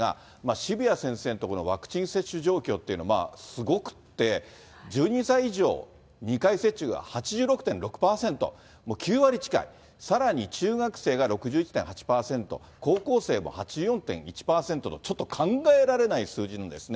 渋谷先生のところのワクチン接種状況っていうのはすごくって、１２歳以上、２回接種が８６．６％、もう９割近い、さらに中学生が６１．８％、高校生も８４．１％と、ちょっと考えられない数字なんですね。